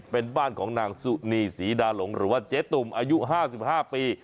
เป็นบ้านของนางสุนีศรีดาหลงหรือว่าเจ๊ตุ่มอายุ๕๕ปี